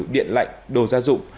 điện lạnh đồ gia dụng